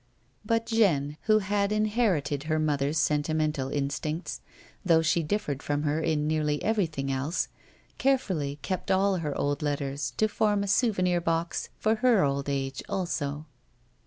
But Jeanne, who had inherited her mother's sentimental instincts though she differed from her in nearly everything else, carefully kept all her old letters to form a " souvenir box " for her old age, also.